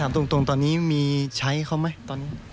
ตรงตอนนี้มีใช้เขาไหมตอนนี้